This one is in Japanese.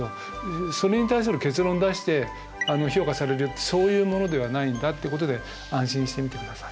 それに対する結論出して評価されるそういうものではないんだってことで安心してみてください。